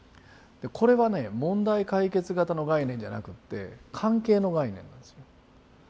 これはね問題解決型の概念じゃなくって関係の概念なんです。